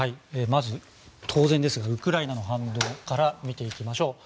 まず、当然ですがウクライナの反応から見ていきましょう。